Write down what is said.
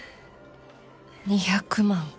２００万